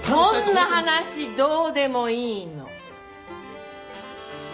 そんな話どうでもいいの。